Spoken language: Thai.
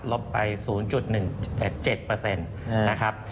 ลบไป๐๑๗นะครับ